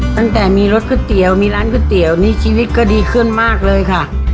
ตั้งแต่มีรสก๋วยเตี๋ยวมีร้านก๋วยเตี๋ยวนี่ชีวิตก็ดีขึ้นมากเลยค่ะ